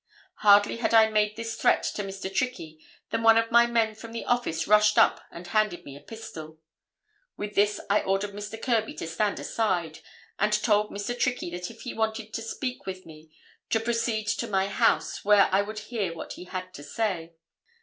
Hardly had I made this threat to Mr. Trickey, than one of my men from the office rushed up and handed me a pistol. With this I ordered Mr. Kirby to stand aside, and told Mr. Trickey that if he wanted to speak with me, to proceed to my house, where I would hear what he had to say.